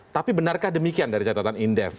tapi benarkah demikian dari catatan indef